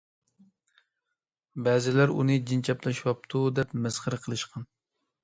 بەزىلەر ئۇنى جىن چاپلىشىۋاپتۇ، دەپ مەسخىرە قىلىشقان.